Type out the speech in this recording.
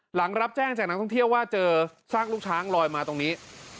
หลังรับแจ้งจากนักท่องเที่ยวว่าเจอซากลูกช้างลอยมาตรงนี้